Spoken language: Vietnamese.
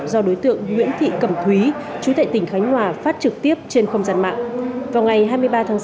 do đối tượng nguyễn thị cẩm thúy trú tại tỉnh khánh hòa phát trực tiếp trên không gian mạng